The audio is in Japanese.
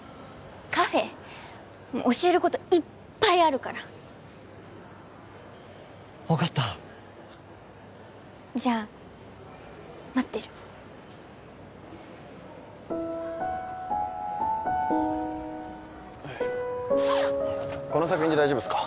カフェ教えることいっぱいあるから分かったじゃあ待ってるこの作品で大丈夫っすか？